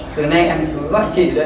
từ nay em cứ gọi chị đấy